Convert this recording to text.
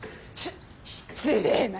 失礼な！